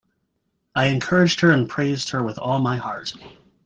I encouraged her and praised her with all my heart.